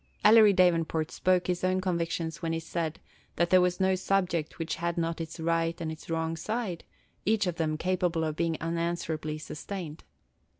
Ellery Davenport spoke his own convictions when he said that there was no subject which had not its right and its wrong side, each of them capable of being unanswerably sustained.